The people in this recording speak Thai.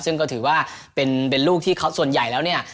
ซึ่งก็ถือว่าเป็นลูกที่เขาส่วนใหญ่แล้วเนี่ย